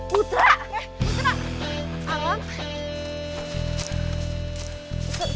putra eh putra